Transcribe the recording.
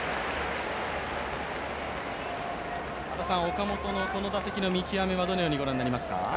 岡本のこの打席の見極めはどのようにご覧になりますか？